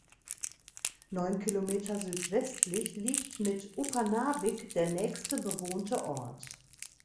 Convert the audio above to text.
Neun Kilometer südwestlich liegt mit Upernavik der nächste bewohnte Ort.